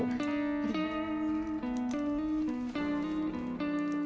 ありがとう！